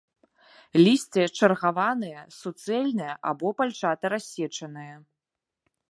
Лісце чаргаванае, суцэльнае або пальчата-рассечанае.